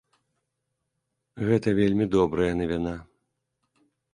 Гэта вельмі добрая навіна.